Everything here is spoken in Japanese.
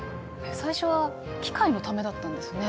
最初は機械のためだったんですね。